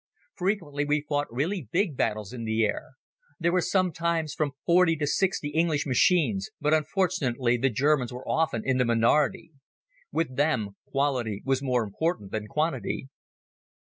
Frequently we fought really big battles in the air. There were sometimes from forty to sixty English machines, but unfortunately the Germans were often in the minority. With them quality was more important than quantity.